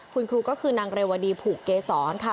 คุณครูก็คือนางเรวดีผูกเกษรค่ะ